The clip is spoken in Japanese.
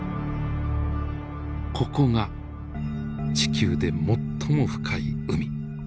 ここが地球で最も深い海。